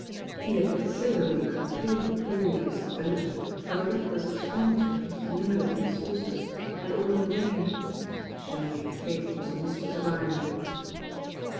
He had considerably curtailed the period of his adventure by the reckless expendi ^re of his limited resources, and aU in vain. Surely Fate was a mistress of irony.